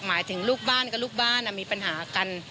หมายถึงลูกบ้านกับลูกบ้านมีปัญหากัน